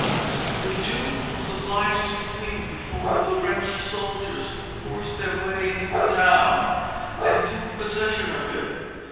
The Duke was obliged to flee before the French soldiers, who forced their way into the town and took possession of it.